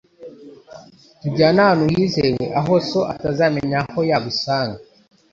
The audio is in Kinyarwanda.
Tujyane ahantu hizewe, aho so atazamenya aho yagusanga.